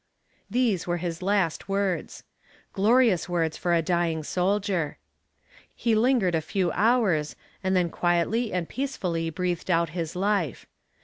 These were his last words. Glorious words for a dying soldier. He lingered a few hours, and then quietly and peacefully breathed out his life.